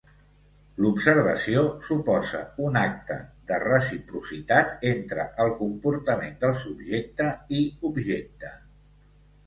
L'observació suposa un acte de reciprocitat entre el comportament del subjecte i objecte.